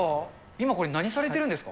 今これ、何されてるんですか。